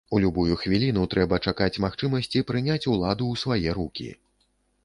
У любую хвіліну трэба чакаць магчымасці прыняць уладу ў свае рукі.